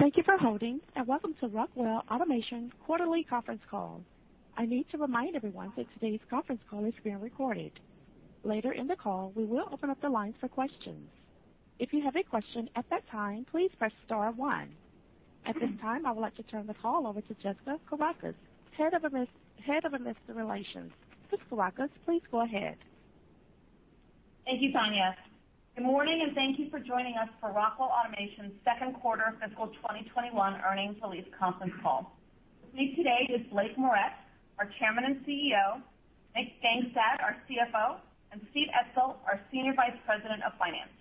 Thank you for holding, and welcome to Rockwell Automation Quarterly Conference Call. I need to remind everyone that today's conference call is being recorded. Later in the call, we will open up the lines for questions. If you have a question at that time, please press star one. At this time, I would like to turn the call over to Jessica Kourakos, Head of Investor Relations. Ms. Kourakos, please go ahead. Thank you, Tanya. Good morning. Thank you for joining us for Rockwell Automation second quarter fiscal 2021 earnings release conference call. With me today is Blake Moret, our Chairman and CEO, Nick Gangestad, our CFO, and Steve Etzel, our Senior Vice President of Finance.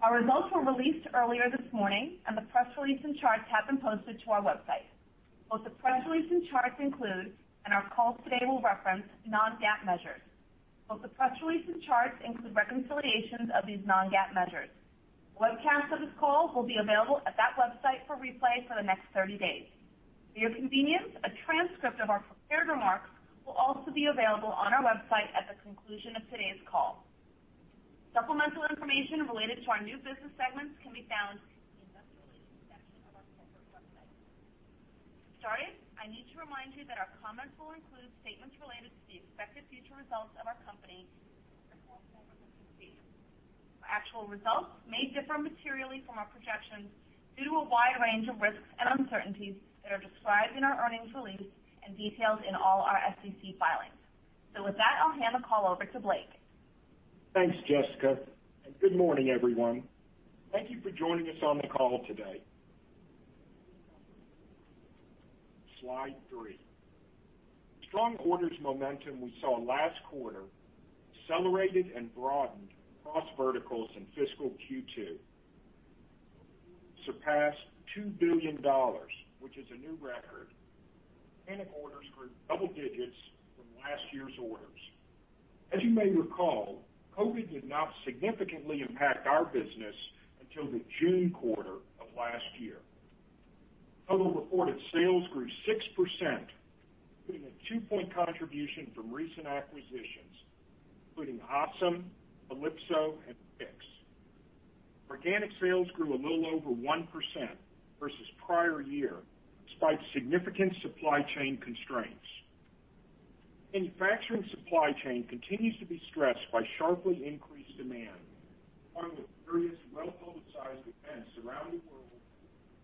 Our results were released earlier this morning. The press release and charts have been posted to our website. Both the press release and charts include, and our call today will reference, non-GAAP measures. Both the press release and charts include reconciliations of these non-GAAP measures. A webcast of this call will be available at that website for replay for the next 30 days. For your convenience, a transcript of our prepared remarks will also be available on our website at the conclusion of today's call. Supplemental information related to our new business segments can be found in the Investors section of our corporate website. To start, I need to remind you that our comments will include statements related to the expected future results of our company under GAAP and non-GAAP measures. Our actual results may differ materially from our projections due to a wide range of risks and uncertainties that are described in our earnings release and detailed in all our SEC filings. With that, I'll hand the call over to Blake. Thanks, Jessica, good morning, everyone. Thank you for joining us on the call today. Slide three. The strong orders momentum we saw last quarter accelerated and broadened across verticals in fiscal Q2, surpassed $2 billion, which is a new record. Organic orders grew double digits from last year's orders. As you may recall, COVID did not significantly impact our business until the June quarter of last year. Total reported sales grew 6%, including a two-point contribution from recent acquisitions, including ASEM, Ellipsos, and Plex. Organic sales grew a little over 1% versus prior year, despite significant supply chain constraints. Manufacturing supply chain continues to be stressed by sharply increased demand, along with various well-publicized events around the world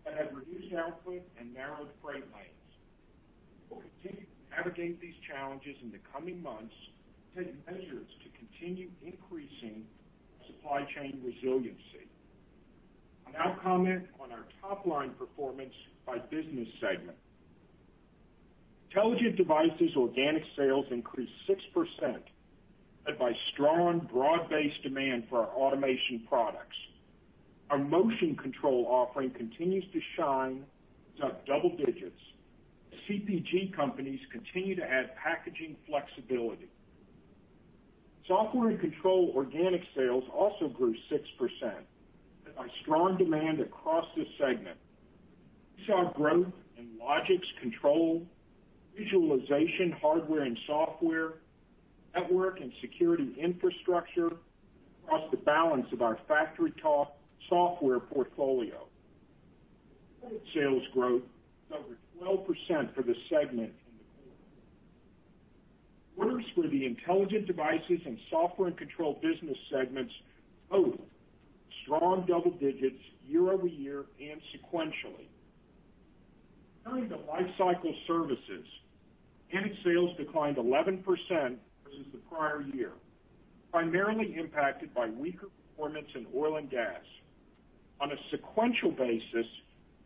that have reduced output and narrowed freight lanes. We'll continue to navigate these challenges in the coming months and take measures to continue increasing supply chain resiliency. I'll now comment on our top-line performance by business segment. Intelligent Devices organic sales increased 6%, led by strong broad-based demand for our automation products. Our motion control offering continues to shine, it's up double digits, as CPG companies continue to add packaging flexibility. Software and Control organic sales also grew 6%, led by strong demand across this segment. We saw growth in logic controls, visualization hardware and software, network and security infrastructure, across the balance of our FactoryTalk software portfolio. Organic sales growth was over 12% for the segment in the quarter. Orders for the Intelligent Devices and Software and Control business segments grew strongly, strong double digits year-over-year and sequentially. Turning to Lifecycle Services, organic sales declined 11% versus the prior year, primarily impacted by weaker performance in oil and gas. On a sequential basis,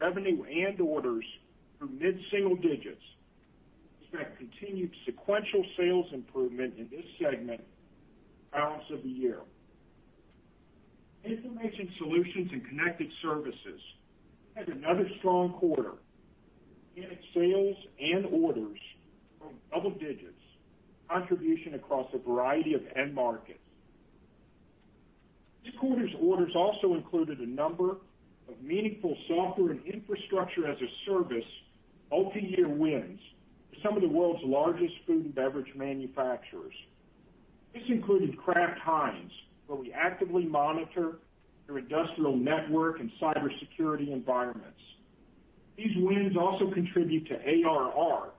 revenue and orders grew mid-single digits. Expect continued sequential sales improvement in this segment for the balance of the year. Information Solutions and Connected Services had another strong quarter. Organic sales and orders grew double digits, with contribution across a variety of end markets. This quarter's orders also included a number of meaningful Software and Infrastructure-as-a-Service multiyear wins with some of the world's largest food and beverage manufacturers. This included Kraft Heinz, where we actively monitor their industrial network and cybersecurity environments. These wins also contribute to ARR,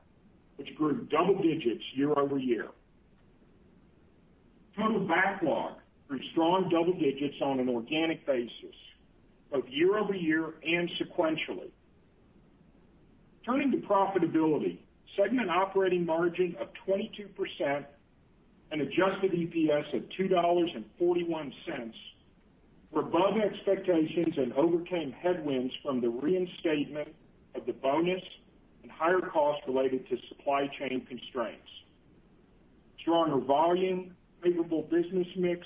which grew double digits year-over-year. Total backlog grew strong double digits on an organic basis, both year-over-year and sequentially. Turning to profitability, segment operating margin of 22% and adjusted EPS of $2.41 were above expectations and overcame headwinds from the reinstatement of the bonus and higher costs related to supply chain constraints. Stronger volume, favorable business mix,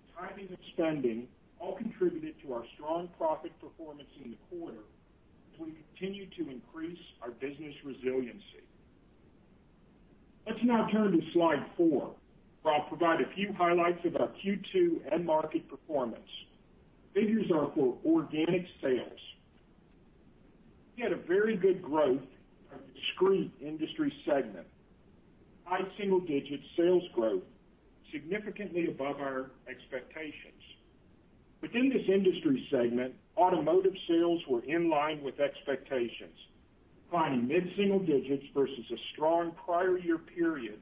and timing of spending all contributed to our strong profit performance in the quarter as we continue to increase our business resiliency. Let's now turn to slide four, where I'll provide a few highlights of our Q2 end market performance. Figures are for organic sales. We had a very good growth of discrete industry segment, high single-digit sales growth, significantly above our expectations. Within this industry segment, automotive sales were in line with expectations, climbing mid-single digits versus a strong prior year period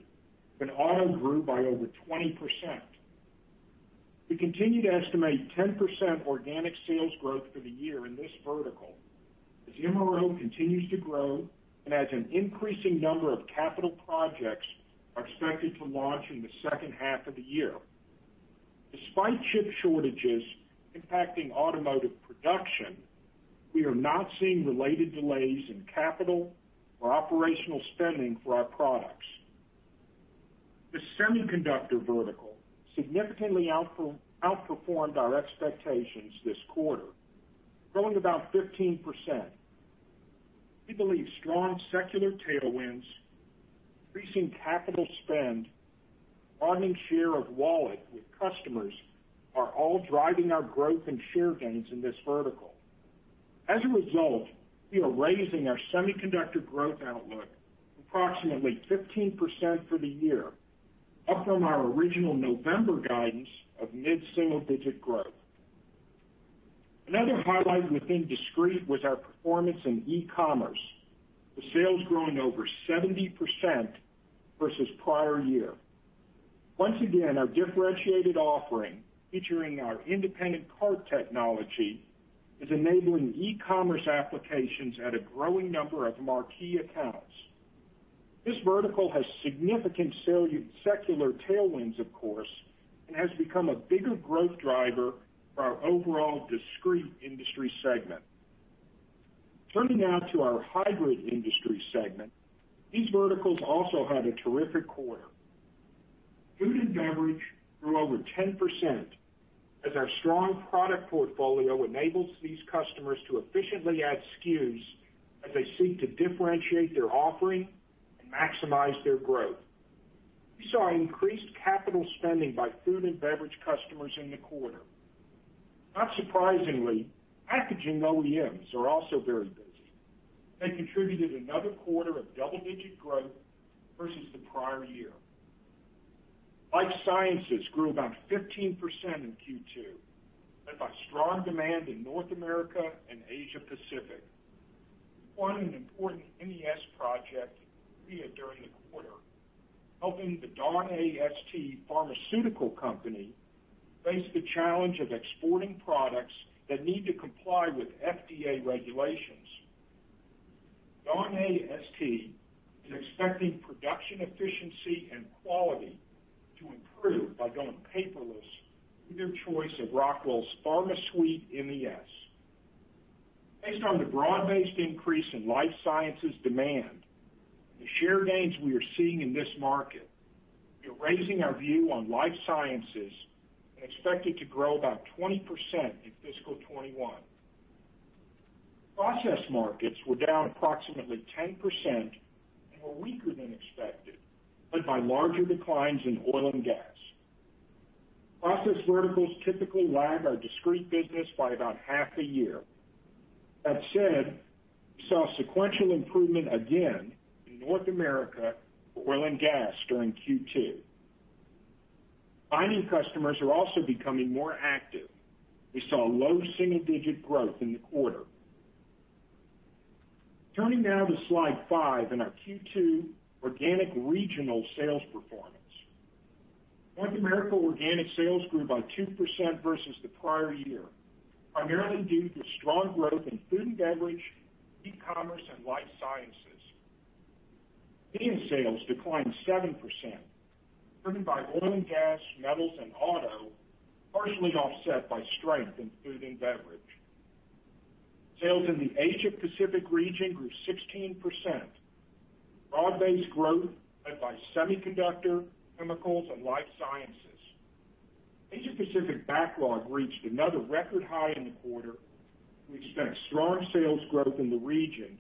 when auto grew by over 20%. We continue to estimate 10% organic sales growth for the year in this vertical as MRO continues to grow and as an increasing number of capital projects are expected to launch in the second half of the year. Despite chip shortages impacting automotive production, we are not seeing related delays in capital or operational spending for our products. The semiconductor vertical significantly outperformed our expectations this quarter, growing about 15%. We believe strong secular tailwinds, increasing capital spend, growing share of wallet with customers are all driving our growth and share gains in this vertical. As a result, we are raising our semiconductor growth outlook approximately 15% for the year, up from our original November guidance of mid-single digit growth. Another highlight within discrete was our performance in e-commerce, with sales growing over 70% versus prior year. Once again, our differentiated offering, featuring our Independent Cart Technology, is enabling e-commerce applications at a growing number of marquee accounts. This vertical has significant secular tailwinds of course, and has become a bigger growth driver for our overall discrete industry segment. Turning now to our hybrid industry segment. These verticals also had a terrific quarter. Food and beverage grew over 10% as our strong product portfolio enables these customers to efficiently add SKUs as they seek to differentiate their offering and maximize their growth. We saw increased capital spending by food and beverage customers in the quarter. Not surprisingly, packaging OEMs are also very busy. They contributed another quarter of double-digit growth versus the prior year. Life sciences grew about 15% in Q2, led by strong demand in North America and Asia Pacific. We won an important MES project Via during the quarter, helping the Dong-A ST pharmaceutical company face the challenge of exporting products that need to comply with FDA regulations. Dong-A ST is expecting production efficiency and quality to improve by going paperless through their choice of Rockwell's PharmaSuite MES. Based on the broad-based increase in life sciences demand and the share gains we are seeing in this market, we are raising our view on life sciences and expect it to grow about 20% in fiscal 2021. Process markets were down approximately 10% and were weaker than expected, led by larger declines in oil and gas. Process verticals typically lag our discrete business by about half a year. That said, we saw sequential improvement again in North America for oil and gas during Q2. Mining customers are also becoming more active. We saw low single-digit growth in the quarter. Turning now to slide five and our Q2 organic regional sales performance. North America organic sales grew by 2% versus the prior year, primarily due to strong growth in food and beverage, e-commerce, and life sciences. EMEA sales declined 7%, driven by oil and gas, metals, and auto, partially offset by strength in food and beverage. Sales in the Asia-Pacific region grew 16%, broad-based growth led by semiconductor, chemicals, and life sciences. Asia-Pacific backlog reached another record high in the quarter. We expect strong sales growth in the region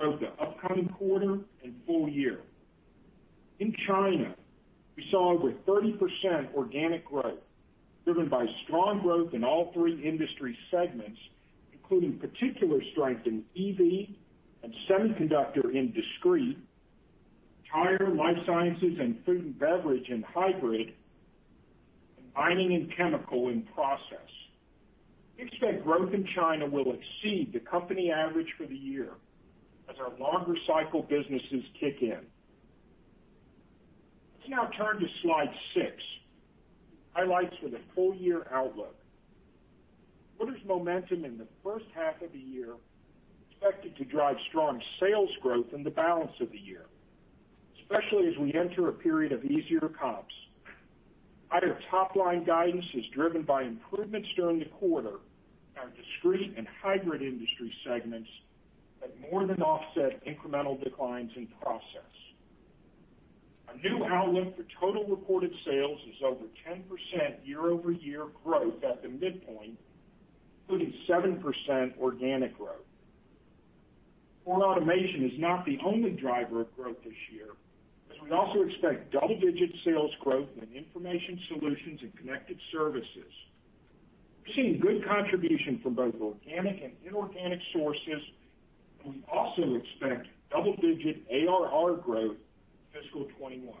over the upcoming quarter and full year. In China, we saw over 30% organic growth, driven by strong growth in all three industry segments, including particular strength in EV and semiconductor in discrete, tire, life sciences, and food and beverage in hybrid, and mining and chemical in process. We expect growth in China will exceed the company average for the year as our longer cycle businesses kick in. Let's now turn to slide six, highlights with a full-year outlook. Orders momentum in the first half of the year is expected to drive strong sales growth in the balance of the year, especially as we enter a period of easier comps. Our top-line guidance is driven by improvements during the quarter in our discrete and hybrid industry segments that more than offset incremental declines in process. Our new outlook for total reported sales is over 10% year-over-year growth at the midpoint, including 7% organic growth. Control automation is not the only driver of growth this year, as we also expect double-digit sales growth in information solutions and connected services. We're seeing good contribution from both organic and inorganic sources. We also expect double-digit ARR growth in fiscal 2021.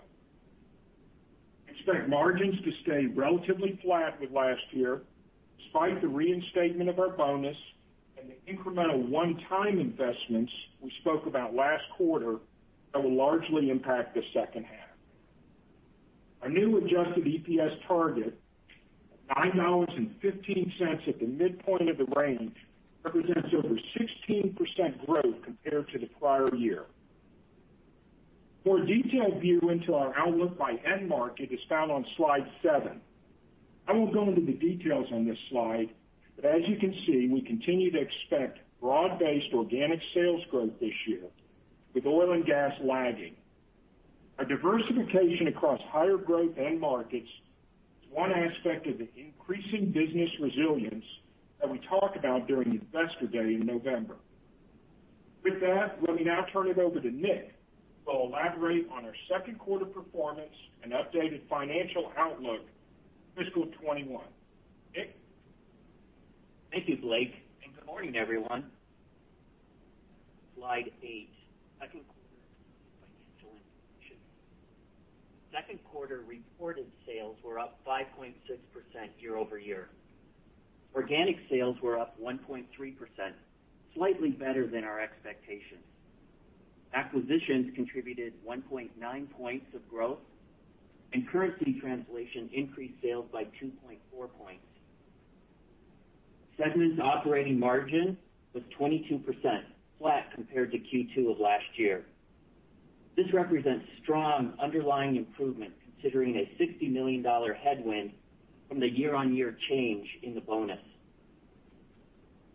We expect margins to stay relatively flat with last year, despite the reinstatement of our bonus and the incremental one-time investments we spoke about last quarter that will largely impact the second half. Our new adjusted EPS target of $9.15 at the midpoint of the range represents over 16% growth compared to the prior year. More detailed view into our outlook by end market is found on slide seven. I won't go into the details on this slide, but as you can see, we continue to expect broad-based organic sales growth this year with oil and gas lagging. Our diversification across higher growth end markets is one aspect of the increasing business resilience that we talked about during Investor Day in November. With that, let me now turn it over to Nick, who will elaborate on our second quarter performance and updated financial outlook fiscal 2021. Nick? Thank you, Blake, good morning, everyone. Slide eight. Second quarter financial information. Second quarter reported sales were up 5.6% year-over-year. Organic sales were up 1.3%, slightly better than our expectations. Acquisitions contributed 1.9 points of growth, and currency translation increased sales by 2.4 points. Segments operating margin was 22%, flat compared to Q2 of last year. This represents strong underlying improvement considering a $60 million headwind from the year-on-year change in the bonus.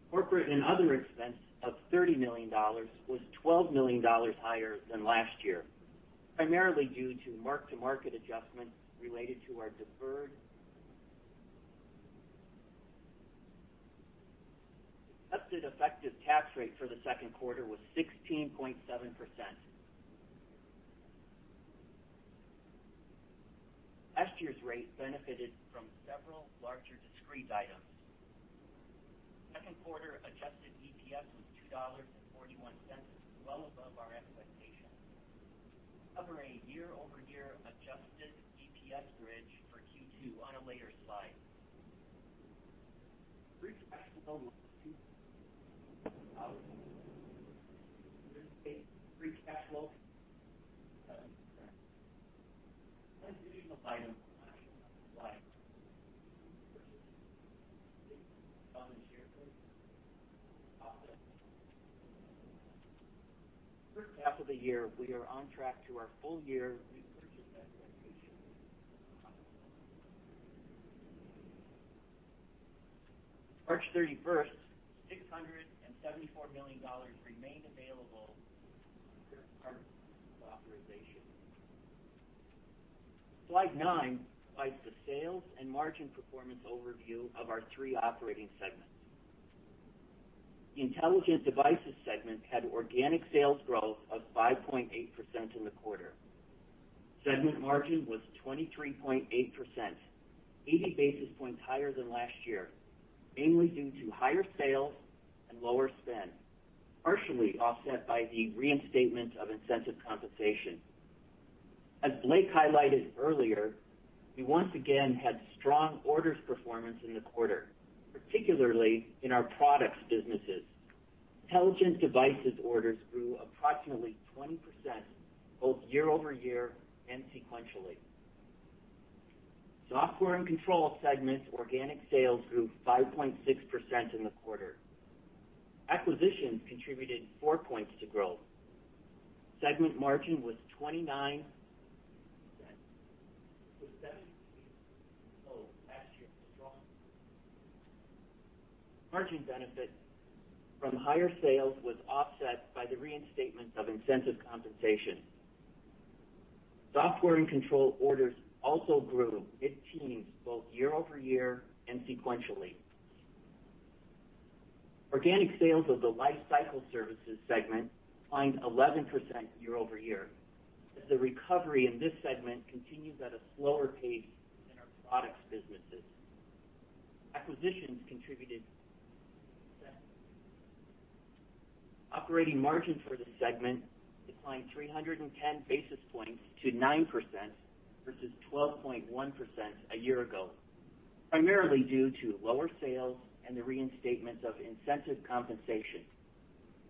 Corporate and other expense of $30 million was $12 million higher than last year, primarily due to mark-to-market adjustments related to our deferred. Adjusted effective tax rate for the second quarter was 16.7%. Last year's rate benefited from several larger discrete items. Second quarter adjusted EPS was $2.41, well above our expectations. We cover a year-over-year adjusted EPS bridge for Q2 on a later slide. Free cash flow. First half of the year, we are on track to our full year repurchase expectation. As of March 31st, $674 million remained available from the current share repurchase authorization. Slide nine provides the sales and margin performance overview of our three operating segments. The Intelligent Devices segment had organic sales growth of 5.8% in the quarter. Segment margin was 23.8%, 80 basis points higher than last year, mainly due to higher sales and lower spend, partially offset by the reinstatement of incentive compensation. As Blake Moret highlighted earlier, we once again had strong orders performance in the quarter, particularly in our products businesses. Intelligent Devices orders grew approximately 20% both year-over-year and sequentially. Software and Control segments organic sales grew 5.6% in the quarter. Acquisitions contributed four points to growth. Segment margin was 29%. Margin benefit from higher sales was offset by the reinstatement of incentive compensation. Software and control orders also grew mid-teens both year-over-year and sequentially. Organic sales of the lifecycle services segment declined 11% year-over-year as the recovery in this segment continues at a slower pace than our products businesses. Acquisitions contributed. Operating margin for the segment declined 310 basis points to 9% versus 12.1% a year ago, primarily due to lower sales and the reinstatement of incentive compensation,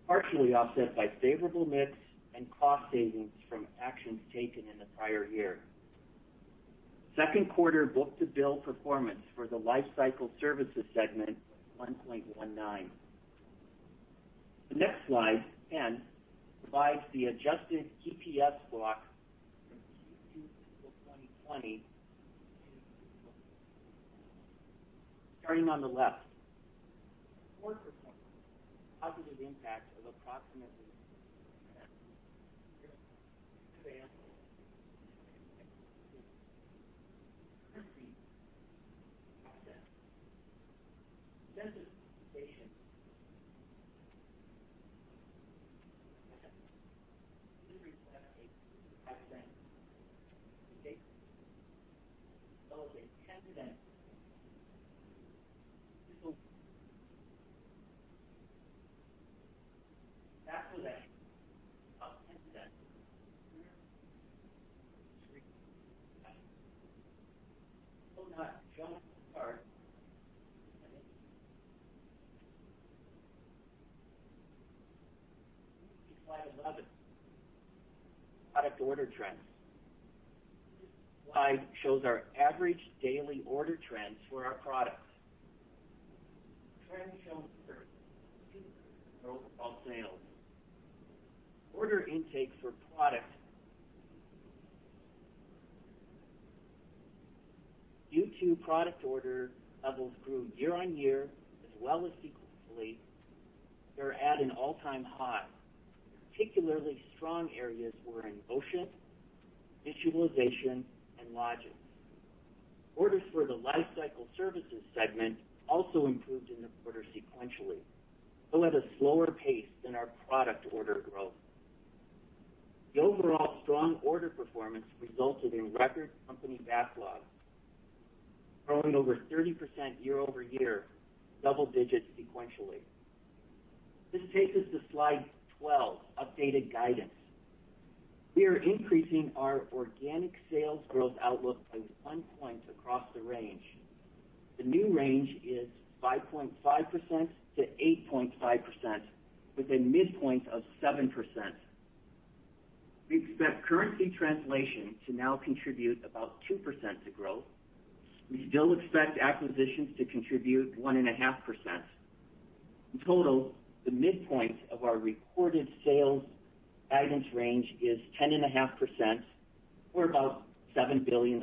partially offset by favorable mix and cost savings from actions taken in the prior year. Second quarter book to bill performance for the lifecycle services segment was 1.19. The next slide, 10, provides the adjusted EPS walk from Q2 2020. Starting on the left. Fourth positive impact of approximately. In 10 to them. That was it. About 10 to them. Slide 11, product order trends. Slide shows our average daily order trends for our products. Trends show our overall sales. Order intake for product. Q2 product order levels grew year-over-year as well as sequentially. They're at an all-time high. Particularly strong areas were in motion, visualization, and logistics. Orders for the lifecycle services segment also improved in the quarter sequentially, though at a slower pace than our product order growth. The overall strong order performance resulted in record company backlogs growing over 30% year-over-year, double digits sequentially. This takes us to Slide 12, updated guidance. We are increasing our organic sales growth outlook by one point across the range. The new range is 5.5%-8.5%, with a midpoint of 7%. We expect currency translation to now contribute about 2% to growth. We still expect acquisitions to contribute 1.5%. In total, the midpoint of our reported sales guidance range is 10.5%, or about $7 billion.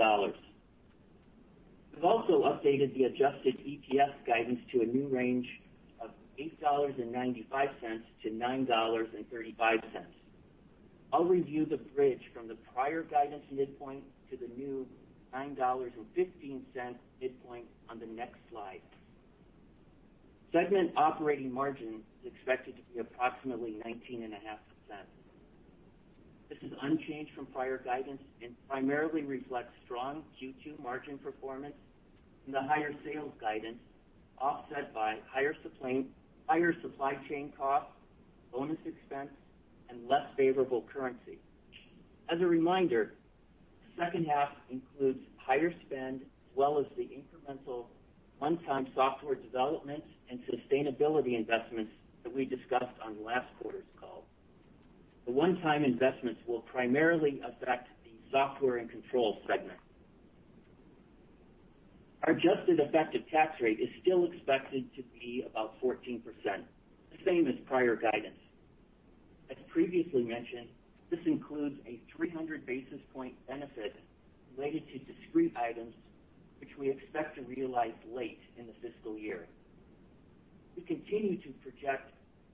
We've also updated the adjusted EPS guidance to a new range of $8.95-$9.35. I'll review the bridge from the prior guidance midpoint to the new $9.15 midpoint on the next slide. Segment operating margin is expected to be approximately 19.5%. This is unchanged from prior guidance and primarily reflects strong Q2 margin performance from the higher sales guidance, offset by higher supply chain costs, bonus expense, and less favorable currency. As a reminder, the second half includes higher spend, as well as the incremental one-time software development and sustainability investments that we discussed on last quarter's call. The one-time investments will primarily affect the Software and Control segment. Our adjusted effective tax rate is still expected to be about 14%, the same as prior guidance. As previously mentioned, this includes a 300 basis point benefit related to discrete items, which we expect to realize late in the fiscal year. We continue to project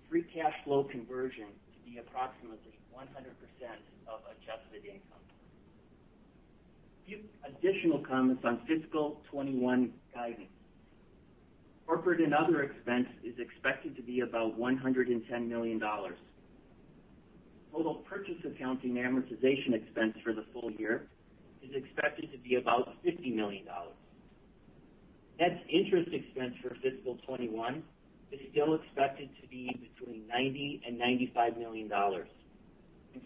free cash flow conversion to be approximately 100% of adjusted income. A few additional comments on fiscal 2021 guidance. Corporate and other expense is expected to be about $110 million. Total purchase accounting amortization expense for the full year is expected to be about $50 million. Net interest expense for fiscal 2021 is still expected to be between $90 and $95 million.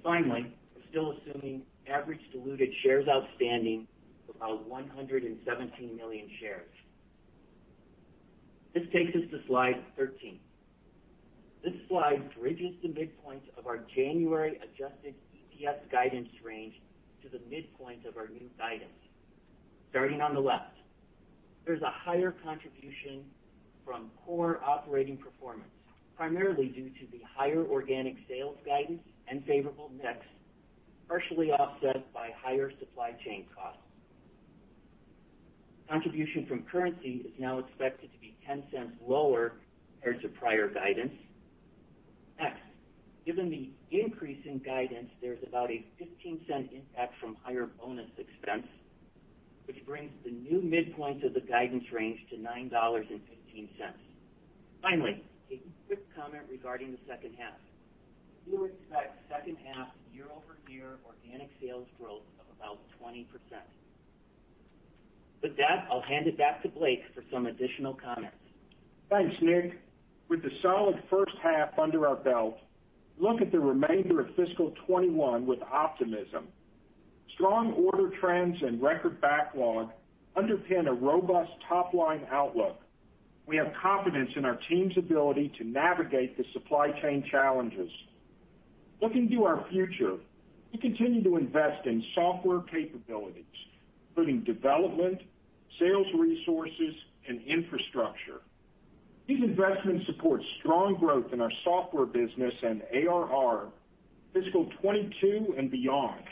Finally, we're still assuming average diluted shares outstanding of about 117 million shares. This takes us to slide 13. This slide bridges the midpoints of our January adjusted EPS guidance range to the midpoint of our new guidance. Starting on the left, there's a higher contribution from core operating performance, primarily due to the higher organic sales guidance and favorable mix, partially offset by higher supply chain costs. Contribution from currency is now expected to be $0.10 lower compared to prior guidance. Next, given the increase in guidance, there's about a $0.15 impact from higher bonus expense, which brings the new midpoint of the guidance range to $9.15. Finally, a quick comment regarding the second half. We expect second half year-over-year organic sales growth of about 20%. With that, I'll hand it back to Blake for some additional comments. Thanks, Nick. With the solid first half under our belt, look at the remainder of fiscal 2021 with optimism. Strong order trends and record backlog underpin a robust top-line outlook. We have confidence in our team's ability to navigate the supply chain challenges. Looking to our future, we continue to invest in software capabilities, including development, sales resources, and infrastructure. These investments support strong growth in our software business and ARR fiscal 2022 and beyond.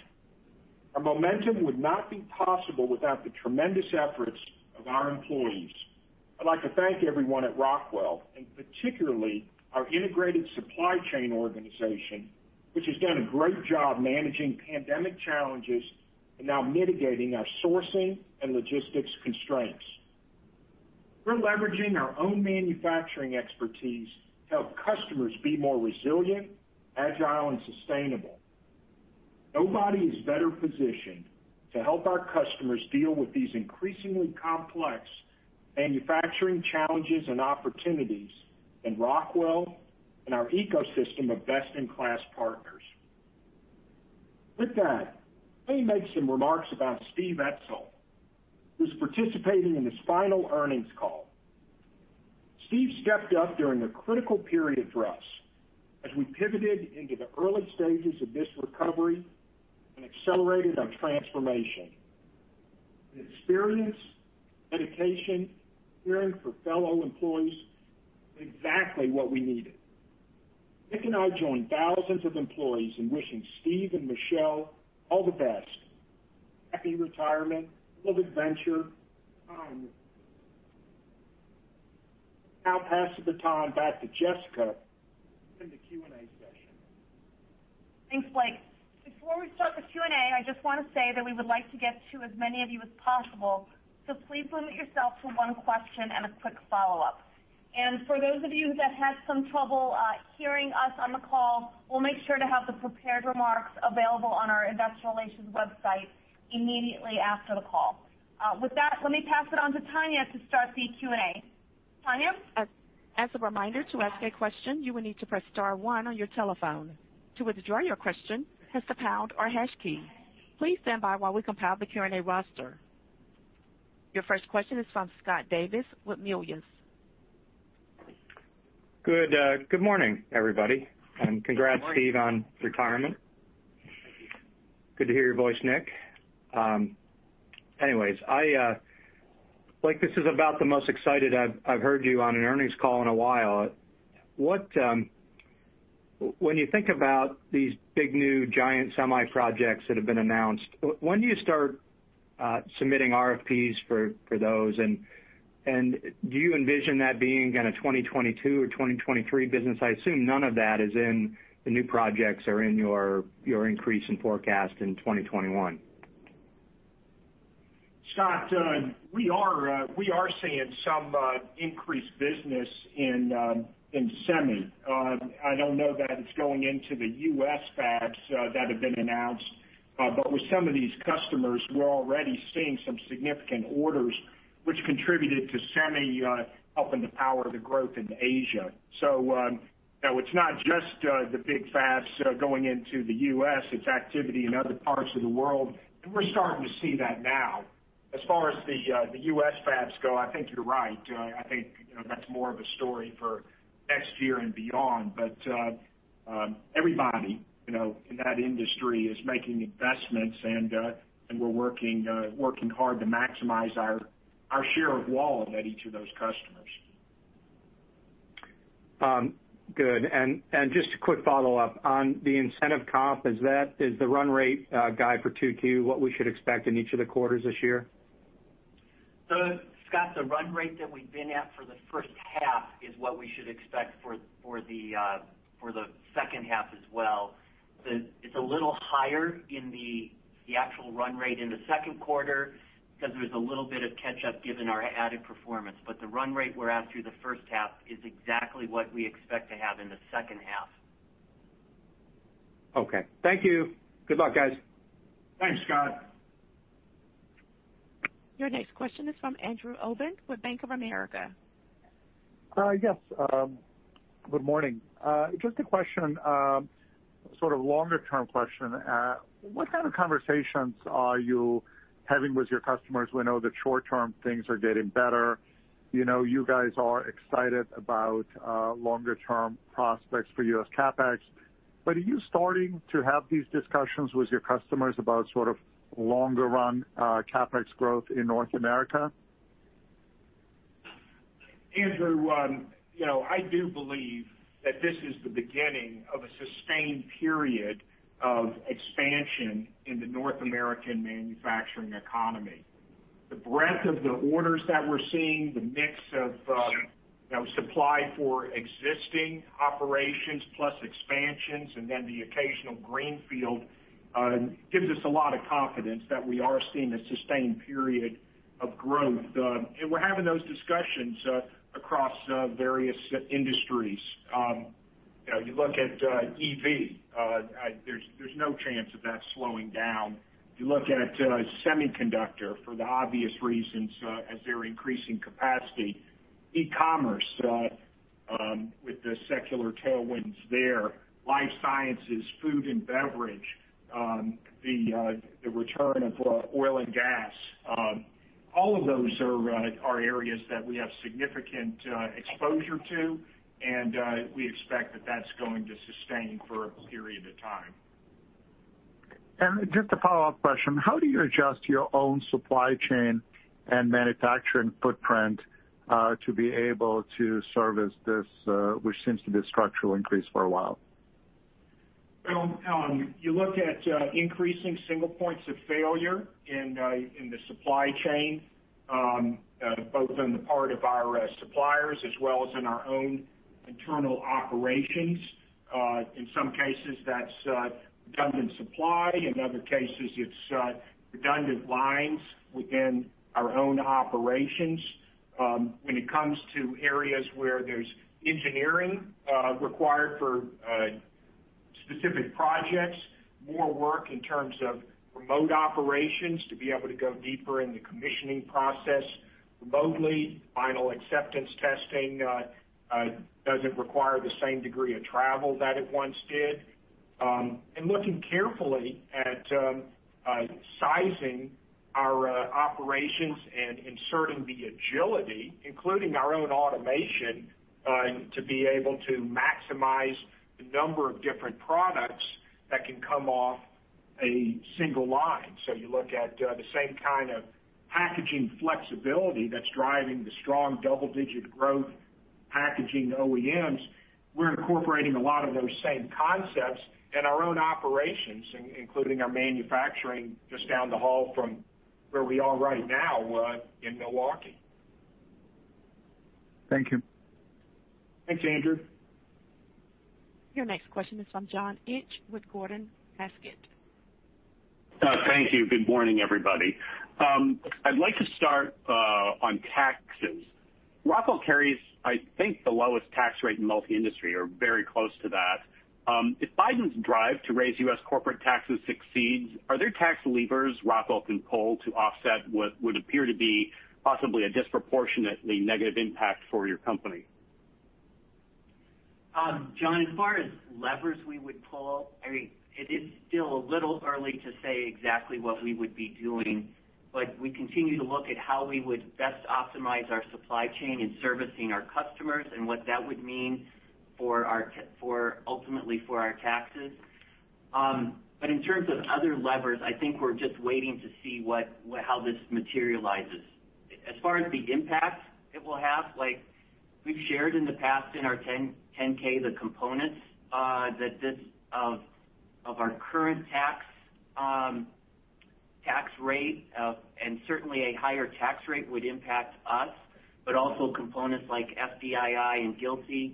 Our momentum would not be possible without the tremendous efforts of our employees. I'd like to thank everyone at Rockwell, and particularly our integrated supply chain organization, which has done a great job managing pandemic challenges and now mitigating our sourcing and logistics constraints. We're leveraging our own manufacturing expertise to help customers be more resilient, agile, and sustainable. Nobody is better positioned to help our customers deal with these increasingly complex manufacturing challenges and opportunities than Rockwell Automation and our ecosystem of best-in-class partners. With that, let me make some remarks about Steve Etzel, who's participating in his final earnings call. Steve stepped up during a critical period for us as we pivoted into the early stages of this recovery and accelerated our transformation. His experience, dedication, caring for fellow employees was exactly what we needed. Nick and I join thousands of employees in wishing Steve and Michelle all the best. Happy retirement. A little adventure, time. I'll now pass the baton back to Jessica to begin the Q&A session. Thanks, Blake. Before we start the Q&A, I just want to say that we would like to get to as many of you as possible. Please limit yourself to one question and a quick follow-up. For those of you that had some trouble hearing us on the call, we'll make sure to have the prepared remarks available on our investor relations website immediately after the call. With that, let me pass it on to Tanya to start the Q&A. Tanya? As a reminder to ask a question you need to press star one on your telephone. To withdraw your question, press the pound or hash key. Please wait as we compile the Q&A roster. Your first question is from Scott Davis with Melius. Good morning, everybody, and congrats, Steve, on retirement. Thank you. Good to hear your voice, Nick. Anyways, Blake, this is about the most excited I've heard you on an earnings call in a while. When you think about these big new giant semi projects that have been announced, when do you start submitting RFPs for those, and do you envision that being kind of 2022 or 2023 business? I assume none of that is in the new projects or in your increase in forecast in 2021. Scott, we are seeing some increased business in semi. I don't know that it's going into the U.S. fabs that have been announced. With some of these customers, we're already seeing some significant orders which contributed to semi helping to power the growth in Asia. It's not just the big fabs going into the U.S., it's activity in other parts of the world, and we're starting to see that now. As far as the U.S. fabs go, I think you're right. I think that's more of a story for next year and beyond. Everybody in that industry is making investments, and we're working hard to maximize our share of wallet at each of those customers. Good. Just a quick follow-up. On the incentive comp, is the run rate guide for 2Q what we should expect in each of the quarters this year? Scott, the run rate that we've been at for the first half is what we should expect for the second half as well. It's a little higher in the actual run rate in the second quarter because there was a little bit of catch up given our added performance. The run rate we're at through the first half is exactly what we expect to have in the second half. Okay. Thank you. Good luck, guys. Thanks, Scott. Your next question is from Andrew Obin with Bank of America. Yes. Good morning. Just a sort of longer-term question. What kind of conversations are you having with your customers? We know that short term things are getting better. You guys are excited about longer-term prospects for U.S. CapEx. Are you starting to have these discussions with your customers about sort of longer run CapEx growth in North America? Andrew, I do believe that this is the beginning of a sustained period of expansion in the North American manufacturing economy. The breadth of the orders that we're seeing, the mix of supply for existing operations plus expansions, and then the occasional greenfield gives us a lot of confidence that we are seeing a sustained period of growth. We're having those discussions across various industries. You look at EV, there's no chance of that slowing down. You look at semiconductor for the obvious reasons as they're increasing capacity. E-commerce with the secular tailwinds there, life sciences, food and beverage, the return of oil and gas, all of those are areas that we have significant exposure to, and we expect that that's going to sustain for a period of time. Just a follow-up question, how do you adjust your own supply chain and manufacturing footprint to be able to service this, which seems to be a structural increase for a while? Well, you look at increasing single points of failure in the supply chain, both on the part of our suppliers as well as in our own internal operations. In some cases, that's redundant supply. In other cases, it's redundant lines within our own operations. When it comes to areas where there's engineering required for specific projects, more work in terms of remote operations to be able to go deeper in the commissioning process remotely. Final acceptance testing doesn't require the same degree of travel that it once did. Looking carefully at sizing our operations and inserting the agility, including our own automation, to be able to maximize the number of different products that can come off a single line. You look at the same kind of packaging flexibility that's driving the strong double-digit growth packaging OEMs. We're incorporating a lot of those same concepts in our own operations, including our manufacturing just down the hall from where we are right now in Milwaukee. Thank you. Thanks, Andrew. Your next question is from John Inch with Gordon Haskett. Thank you. Good morning, everybody. I'd like to start on taxes. Rockwell carries, I think, the lowest tax rate in multi-industry or very close to that. If Biden's drive to raise U.S. corporate taxes succeeds, are there tax levers Rockwell can pull to offset what would appear to be possibly a disproportionately negative impact for your company? John, as far as levers we would pull, it is still a little early to say exactly what we would be doing. We continue to look at how we would best optimize our supply chain in servicing our customers and what that would mean ultimately for our taxes. In terms of other levers, I think we're just waiting to see how this materializes. As far as the impact it will have, we've shared in the past in our 10-K the components of our current tax rate, and certainly a higher tax rate would impact us, but also components like FDII and GILTI.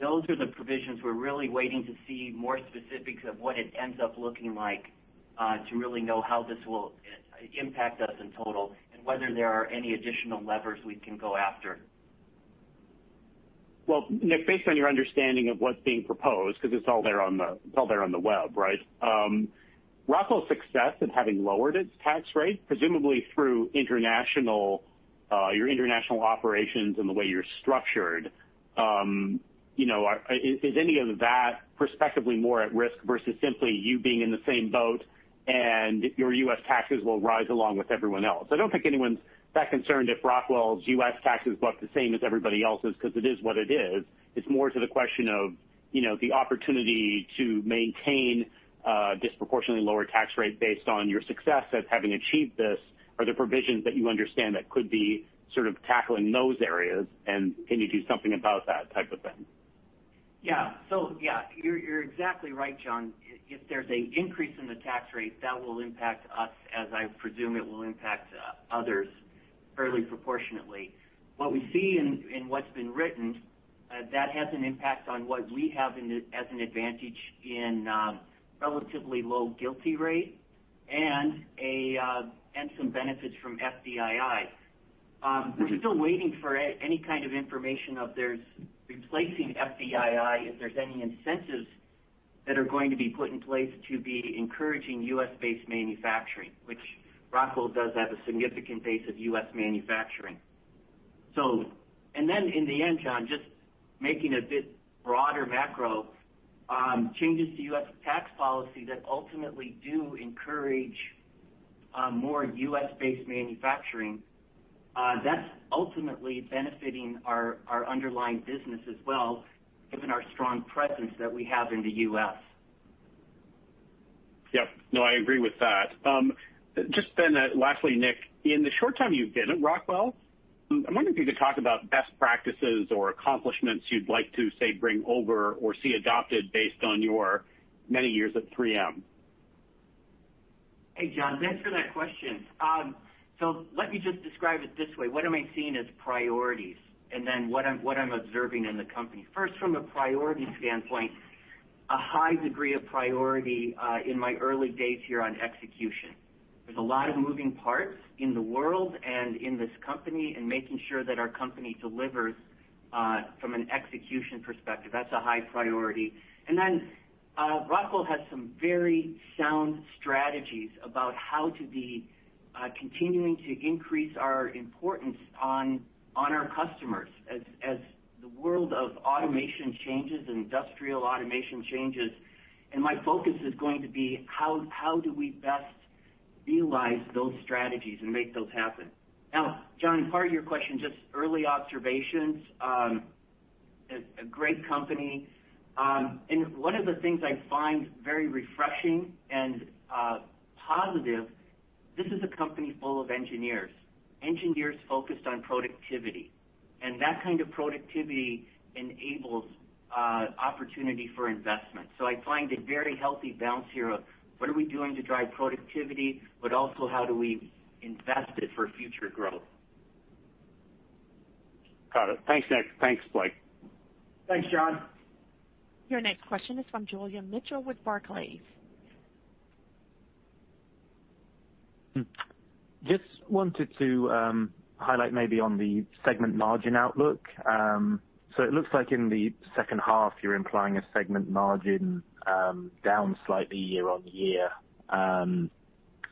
Those are the provisions we're really waiting to see more specifics of what it ends up looking like to really know how this will impact us in total and whether there are any additional levers we can go after. Well, Nick, based on your understanding of what's being proposed, because it's all there on the web, right? Rockwell's success in having lowered its tax rate, presumably through your international operations and the way you're structured, is any of that perspectively more at risk versus simply you being in the same boat and your U.S. taxes will rise along with everyone else? I don't think anyone's that concerned if Rockwell's U.S. taxes look the same as everybody else's, because it is what it is. It's more to the question of the opportunity to maintain a disproportionately lower tax rate based on your success as having achieved this. Are there provisions that you understand that could be sort of tackling those areas, and can you do something about that type of thing? Yeah. You're exactly right, John. If there's an increase in the tax rate, that will impact us, as I presume it will impact others fairly proportionately. What we see in what's been written, that has an impact on what we have as an advantage in relatively low GILTI rate and some benefits from FDII. We're still waiting for any kind of information of replacing FDII, if there's any incentives that are going to be put in place to be encouraging U.S.-based manufacturing, which Rockwell does have a significant base of U.S. manufacturing. In the end, John, just making a bit broader macro, changes to U.S. tax policy that ultimately do encourage more U.S.-based manufacturing, that's ultimately benefiting our underlying business as well, given our strong presence that we have in the U.S. Yep. No, I agree with that. Just lastly, Nick, in the short time you've been at Rockwell, I'm wondering if you could talk about best practices or accomplishments you'd like to, say, bring over or see adopted based on your many years at 3M. Hey, John, thanks for that question. Let me just describe it this way. What am I seeing as priorities, and then what I'm observing in the company? First, from a priority standpoint, a high degree of priority in my early days here on execution. There's a lot of moving parts in the world and in this company, and making sure that our company delivers from an execution perspective, that's a high priority. Rockwell has some very sound strategies about how to be continuing to increase our importance on our customers as the world of automation changes and industrial automation changes. My focus is going to be how do we best realize those strategies and make those happen. Now, John, part of your question, just early observations. A great company. One of the things I find very refreshing and positive. This is a company full of engineers. Engineers focused on productivity, and that kind of productivity enables opportunity for investment. I find a very healthy balance here of what are we doing to drive productivity, but also how do we invest it for future growth? Got it. Thanks, Blake. Thanks, John. Your next question is from Julian Mitchell with Barclays. Just wanted to highlight maybe on the segment margin outlook. It looks like in the second half, you're implying a segment margin down slightly year-on-year,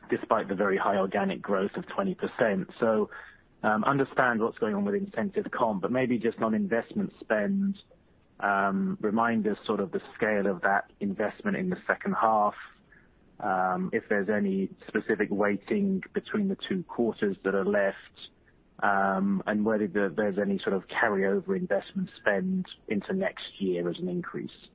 despite the very high organic growth of 20%. Understand what's going on with incentive comp, but maybe just on investment spend, remind us sort of the scale of that investment in the second half, if there's any specific weighting between the two quarters that are left, and whether there's any sort of carryover investment spend into next year as an increase.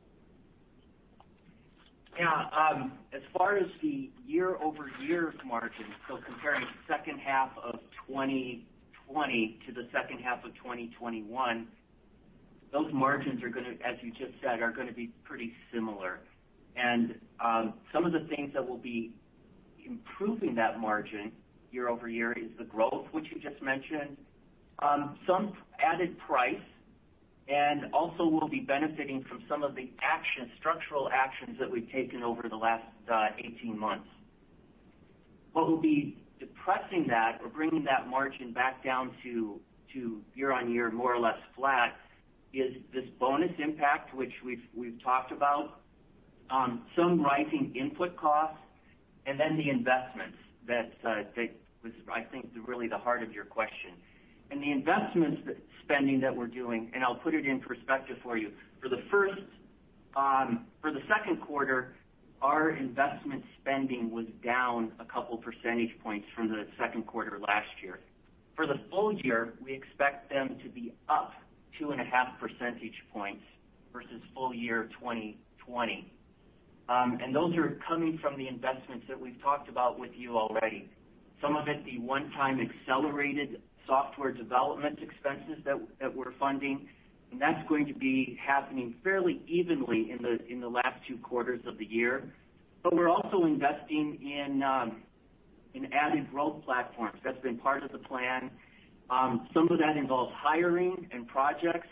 Yeah. As far as the year-over-year margins, comparing the second half of 2020 to the second half of 2021, those margins, as you just said, are going to be pretty similar. Some of the things that will be improving that margin year-over-year is the growth, which you just mentioned, some added price, and also we'll be benefiting from some of the structural actions that we've taken over the last 18 months. What will be depressing that or bringing that margin back down to year-on-year, more or less flat, is this bonus impact, which we've talked about, some rising input costs, the investments that was, I think, really the heart of your question. The investment spending that we're doing, I'll put it into perspective for you. For the second quarter, our investment spending was down a couple percentage points from the second quarter last year. For the full year, we expect them to be up 2.5 percentage points versus full year 2020. Those are coming from the investments that we've talked about with you already. Some of it, the one-time accelerated software development expenses that we're funding. That's going to be happening fairly evenly in the last two quarters of the year. We're also investing in added growth platforms. That's been part of the plan. Some of that involves hiring and projects.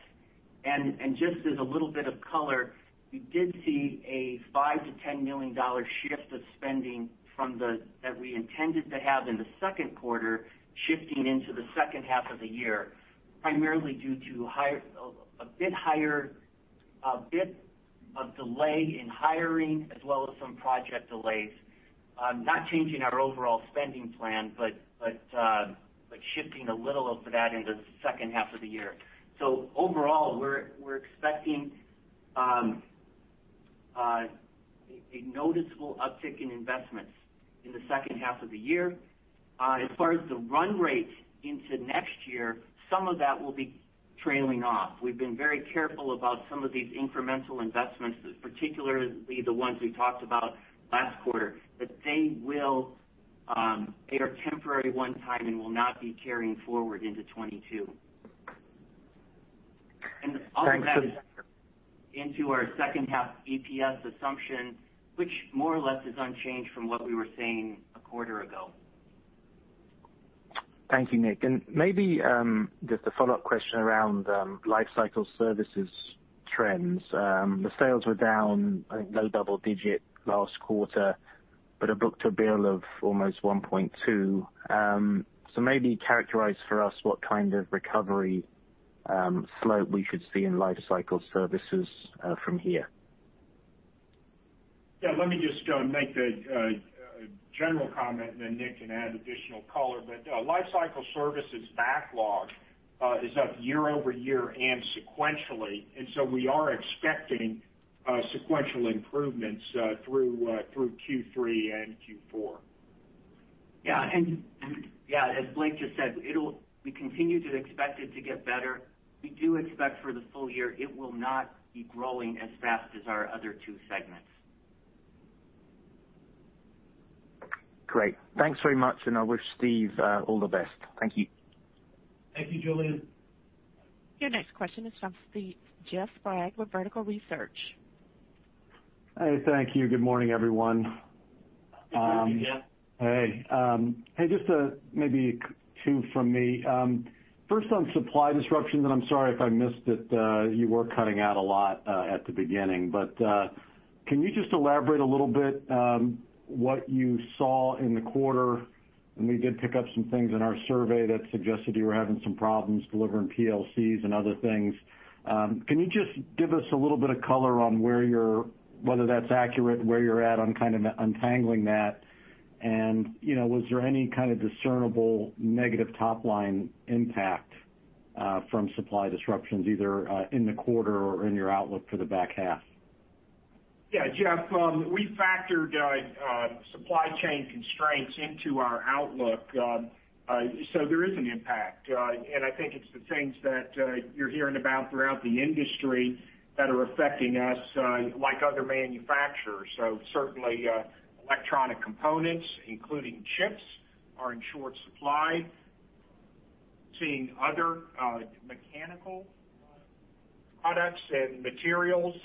Just as a little bit of color, we did see a $5 million-$10 million shift of spending from the, as we intended to have in the second quarter, shifting into the second half of the year, primarily due to a bit of delay in hiring as well as some project delays. Not changing our overall spending plan, but shifting a little of that into the second half of the year. Overall, we're expecting a noticeable uptick in investments in the second half of the year. As far as the run rate into next year, some of that will be trailing off. We've been very careful about some of these incremental investments, particularly the ones we talked about last quarter, that they are temporary one-time and will not be carrying forward into 2022. Thanks, Nick. into our second half EPS assumption, which more or less is unchanged from what we were saying a quarter ago. Thank you, Nick. Maybe just a follow-up question around lifecycle services trends. The sales were down, I think low double digit last quarter, but a book to bill of almost 1.2. Maybe characterize for us what kind of recovery slope we should see in lifecycle services from here. Yeah, let me just make a general comment, and then Nick can add additional color. Lifecycle services backlog is up year-over-year and sequentially. We are expecting sequential improvements through Q3 and Q4. Yeah. As Blake just said, we continue to expect it to get better. We do expect for the full year, it will not be growing as fast as our other two segments. Great. Thanks very much, and I wish Steve all the best. Thank you. Thank you, Julian. Your next question is from Jeff Sprague, Vertical Research. Hey, thank you. Good morning, everyone. Good morning, Jeff. Hey. Just maybe two from me. First on supply disruptions, and I'm sorry if I missed it, you were cutting out a lot at the beginning. Can you just elaborate a little bit what you saw in the quarter? We did pick up some things in our survey that suggested you were having some problems delivering PLCs and other things. Can you just give us a little bit of color on whether that's accurate, where you're at on kind of untangling that, and was there any kind of discernible negative top-line impact from supply disruptions, either in the quarter or in your outlook for the back half? Yeah, Jeff, we factored supply chain constraints into our outlook, there is an impact. I think it's the things that you're hearing about throughout the industry that are affecting us like other manufacturers. Certainly, electronic components, including chips, are in short supply. Seeing other mechanical products and materials,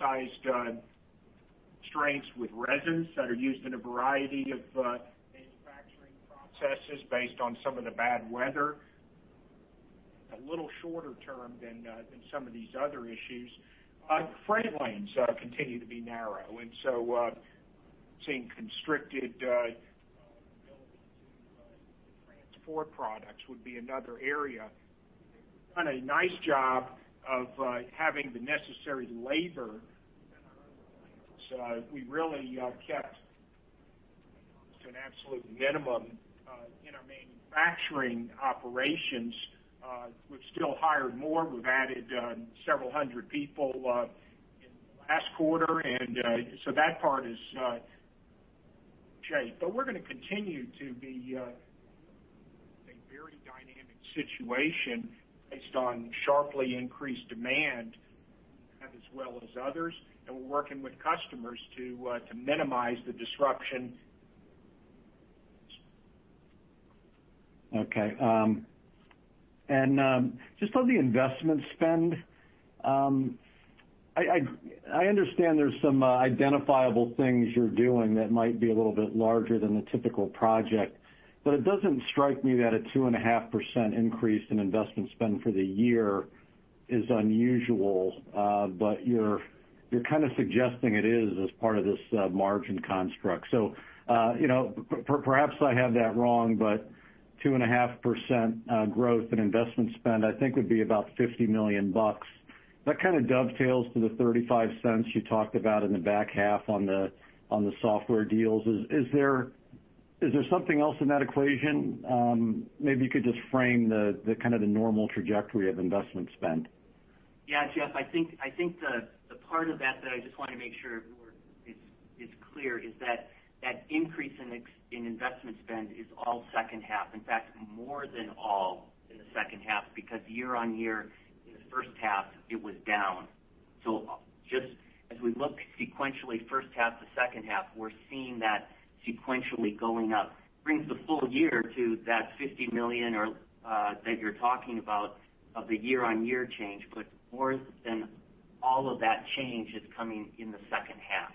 well-publicized shortages with resins that are used in a variety of manufacturing processes based on some of the bad weather. A little shorter term than some of these other issues. Freight lanes continue to be narrow, seeing constricted ability to transport products would be another area. We've done a nice job of having the necessary labor. We really kept it to an absolute minimum in our manufacturing operations. We've still hired more. We've added several hundred people in the last quarter. That part is shape. We're going to continue to be in a very dynamic situation based on sharply increased demand as well as others. We're working with customers to minimize the disruption. Okay. Just on the investment spend, I understand there's some identifiable things you're doing that might be a little bit larger than the typical project, but it doesn't strike me that a 2.5% increase in investment spend for the year is unusual. You're kind of suggesting it is as part of this margin construct. Perhaps I have that wrong, 2.5% growth in investment spend, I think, would be about $50 million. That kind of dovetails to the $0.35 you talked about in the back half on the software deals. Is there something else in that equation? Maybe you could just frame the normal trajectory of investment spend. Yes, Jeff. I think the part of that I just want to make sure is clear is that increase in investment spend is all second half. In fact, more than all in the second half, because year-on-year in the first half, it was down. Just as we look sequentially, first half to second half, we're seeing that sequentially going up brings the full year to that $50 million or that you're talking about of the year-on-year change. More than all of that change is coming in the second half.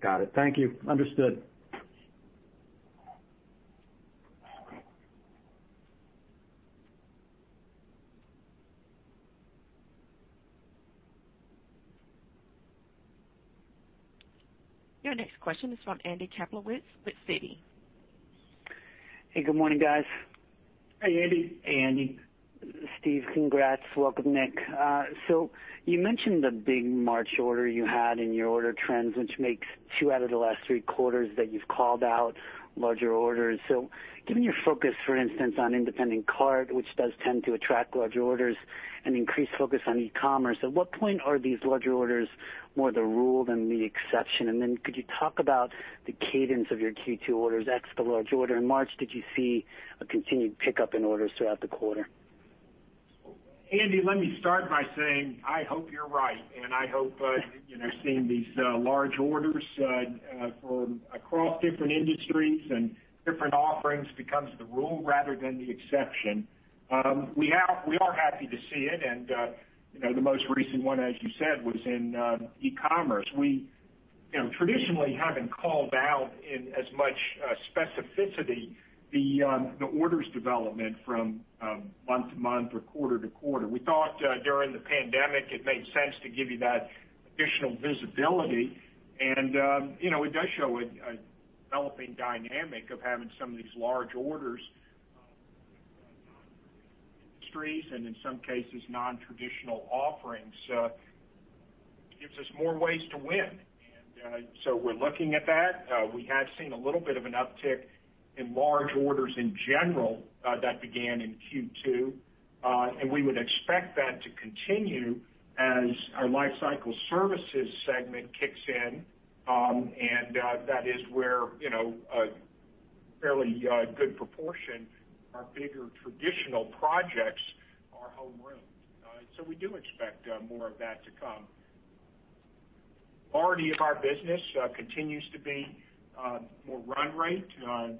Got it. Thank you. Understood. Your next question is from Andy Kaplowitz with Citi. Hey, good morning, guys. Hey, Andy. Hey, Andy. Steve, congrats. Welcome, Nick. You mentioned the big March order you had in your order trends, which makes two out of the last three quarters that you've called out larger orders. Given your focus, for instance, on Independent Cart Technology, which does tend to attract larger orders and increase focus on e-commerce, at what point are these larger orders more the rule than the exception? Could you talk about the cadence of your Q2 orders ex the large order in March? Did you see a continued pickup in orders throughout the quarter? Andy, let me start by saying, I hope you're right, and I hope seeing these large orders from across different industries and different offerings becomes the rule rather than the exception. We are happy to see it, and the most recent one, as you said, was in e-commerce. We traditionally haven't called out in as much specificity the orders development from month-to-month or quarter-to-quarter. We thought during the pandemic, it made sense to give you that additional visibility. It does show a developing dynamic of having some of these large orders with non-traditional industries and, in some cases, non-traditional offerings. It gives us more ways to win. We're looking at that. We have seen a little bit of an uptick in large orders in general that began in Q2, and we would expect that to continue as our Lifecycle Services segment kicks in. That is where a fairly good proportion of our bigger traditional projects are home. We do expect more of that to come. The majority of our business continues to be more run rate.